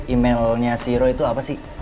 emailnya si roy itu apa sih